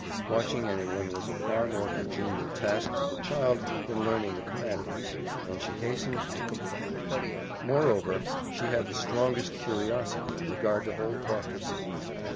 Watching anyone was a far more congenial task to the child than learning the Commandments, and she hastened to comply. Moreover, she had the strongest curiosity in regard to Holcroft herself.